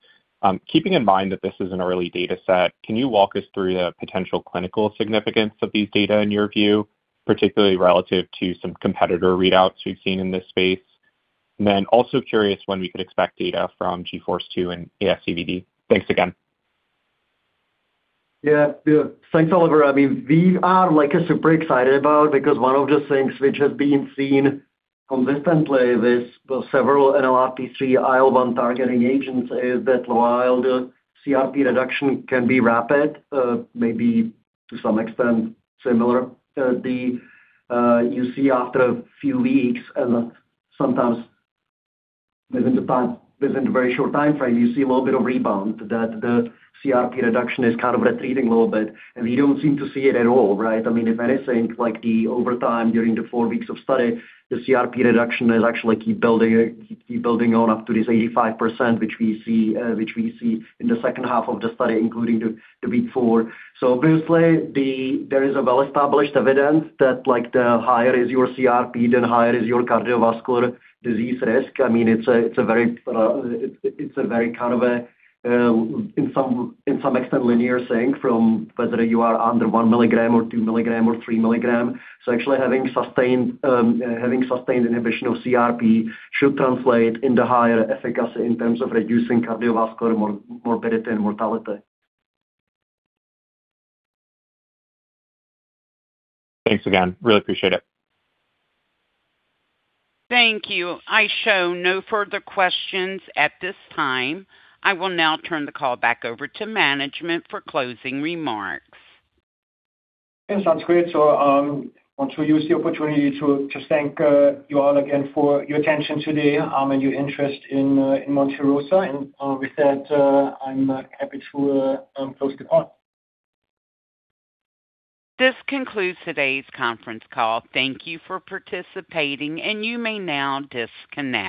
Keeping in mind that this is an early dataset, can you walk us through the potential clinical significance of these data in your view, particularly relative to some competitor readouts we've seen in this space, and then also curious when we could expect data from GFORCE-2 and ASCVD. Thanks again. Yeah. Thanks, Olivier. I mean, we are super excited about it because one of the things which has been seen consistently with several NLRP3 IL-1 targeting agents is that while the CRP reduction can be rapid, maybe to some extent similar, you see after a few weeks and sometimes within the very short timeframe, you see a little bit of rebound, that the CRP reduction is kind of retreating a little bit, and we don't seem to see it at all, right? I mean, if anything, the over time during the four weeks of study, the CRP reduction has actually keep building on up to this 85%, which we see in the second half of the study, including the week four. So obviously, there is a well-established evidence that the higher is your CRP, the higher is your cardiovascular disease risk. I mean, it's a very kind of, in some extent, linear thing from whether you are under 1 milligram or 2 milligram or 3 milligram. So actually having sustained inhibition of CRP should translate into higher efficacy in terms of reducing cardiovascular morbidity and mortality. Thanks again. Really appreciate it. Thank you. I show no further questions at this time. I will now turn the call back over to management for closing remarks. It sounds great. I want to use the opportunity to thank you all again for your attention today and your interest in Monte Rosa. With that, I'm happy to close the call. This concludes today's conference call. Thank you for participating. You may now disconnect.